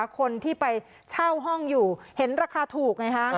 คนที่ไปเช่าห้องอยู่เห็นราคาถูกไงฮะ